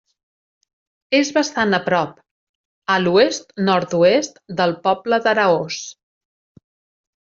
És bastant a prop, a l'oest-nord-oest, del poble d'Araós.